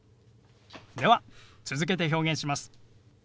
では続けて表現します。